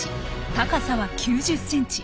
高さは９０ｃｍ。